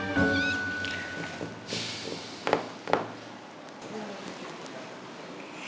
ya kasih tau boy